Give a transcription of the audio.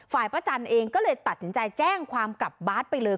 ป้าจันเองก็เลยตัดสินใจแจ้งความกลับบาทไปเลย